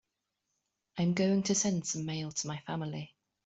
I am going to send some mail to my family.